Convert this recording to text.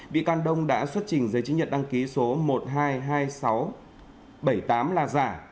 bị can đông đã xuất trình giấy chứng nhật đăng ký số một trăm hai mươi hai nghìn sáu trăm bảy mươi tám là giả